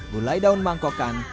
bulai daun mangkokan